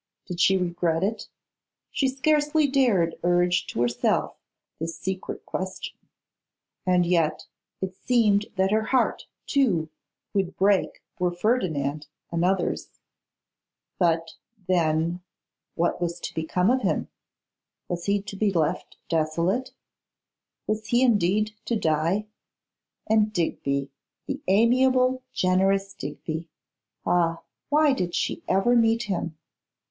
Did she regret it? She scarcely dared urge to herself this secret question; and yet it seemed that her heart, too, would break were Ferdinand another's. But, then, what was to become of him? Was he to be left desolate? Was he indeed to die? And Digby, the amiable, generous Digby; ah! why did she ever meet him?